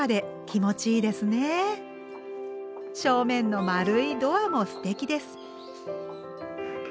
正面の丸いドアもすてきです。